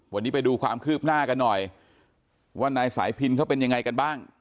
วันนี้ไปดูความคืบหน้ากันหน่อยว่านายสายพินเขาเป็นยังไงกันบ้าง